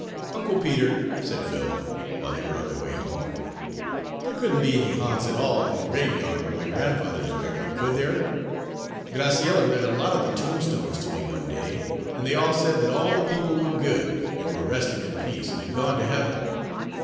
"Uncle Peter," said Phil, while they were on their way home, "there couldn't be any ha'nts at all in the graveyard where my grandfather is buried, could there? Graciella read a lot of the tombstones to me one day, and they all said that all the people were good, and were resting in peace, and had gone to heaven.